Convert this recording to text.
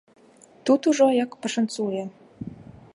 Тут ужо, як пашанцуе.